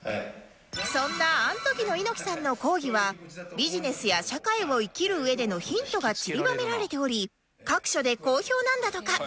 そんなアントキの猪木さんの講義はビジネスや社会を生きる上でのヒントがちりばめられており各所で好評なんだとか